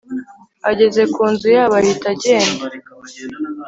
ageze ku nzu yabo ahita agenda